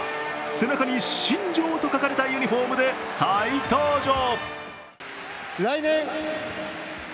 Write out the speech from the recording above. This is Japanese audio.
背中に「ＳＨＩＮＪＯ」と書かれたユニフォームで再登場。